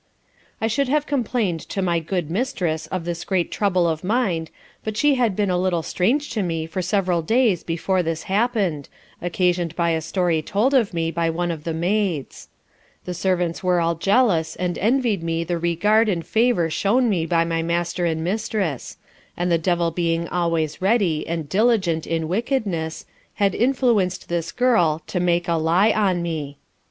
I should have complained to my good mistress of this great trouble of mind, but she had been a little strange to me for several days before this happened, occasioned by a story told of me by one of the maids. The servants were all jealous, and envied me the regard, and favour shewn me by my master and mistress; and the Devil being always ready, and diligent in wickedness, had influenced this girl, to make a lye on me.